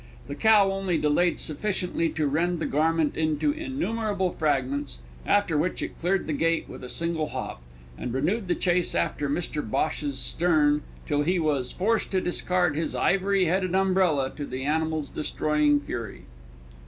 The cow only delayed sufficiently to rend the garment into innumerable fragments, after which it cleared the gate with a single hop, and renewed the chase after Mr Bhosh's stern, till he was forced to discard his ivory headed umbrella to the animal's destroying fury.